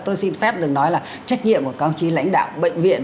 tôi xin phép được nói là trách nhiệm của các ông chí lãnh đạo bệnh viện